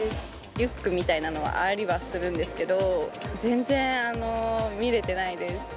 リュックみたいなのはありはするんですけど、全然見れてないです。